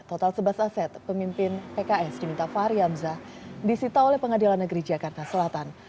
total sebelas aset pemimpin pks diminta fahri hamzah disita oleh pengadilan negeri jakarta selatan